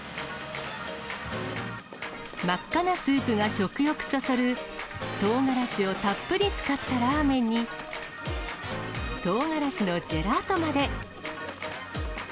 真っ赤なスープが食欲そそる、とうがらしをたっぷり使ったラーメンに、とうがらしのジェラートまで。